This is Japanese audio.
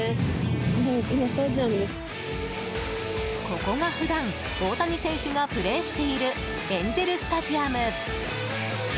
ここが普段大谷選手がプレーしているエンゼル・スタジアム。